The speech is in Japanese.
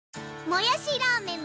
「もやしラーメン」